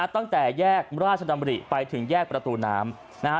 ตั้งแต่แยกราชดำริไปถึงแยกประตูน้ำนะฮะ